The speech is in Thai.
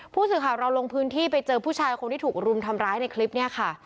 ผู้สื่อข่าวเราลงพื้นที่ไปเจอผู้ชายคนที่ถูกรุมทำร้ายในคลิปนี้ค่ะ